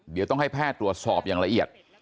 เดี๋ยวต้องให้แพทย์ตรวจสอบอย่างละเอียด